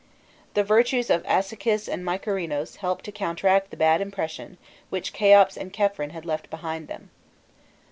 The virtues of Asychis and Mykerinos helped to counteract the bad impression which Kheops and Khephren had left behind them.